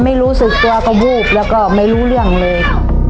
ไม่รู้สึกตัวก็วูบแล้วก็ไม่รู้เรื่องเลย